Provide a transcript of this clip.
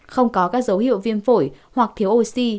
không có các dấu hiệu viêm phổi hoặc thiếu oxy